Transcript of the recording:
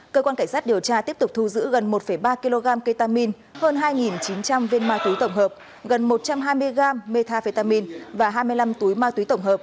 cơ quan cảnh sát điều tra tiếp tục thu giữ gần một ba kg ketamine hơn hai chín trăm linh viên ma túy tổng hợp gần một trăm hai mươi gram metafetamine và hai mươi năm túi ma túy tổng hợp